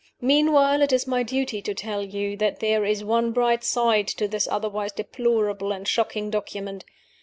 Meanwhile, it is my duty to tell you that there is one bright side to this otherwise deplorable and shocking document.